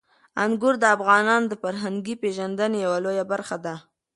انګور د افغانانو د فرهنګي پیژندنې یوه لویه برخه ده.